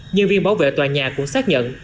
nhân viên bảo vệ tòa nhà cũng xác nhận